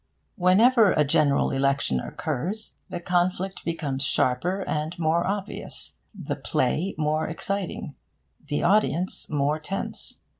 Whenever a General Election occurs, the conflict becomes sharper and more obvious the play more exciting the audience more tense.